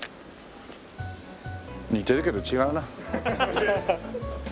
似てるけど違うな。